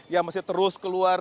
yang masih terus keluar